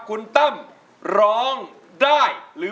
คุณตั้มร้องได้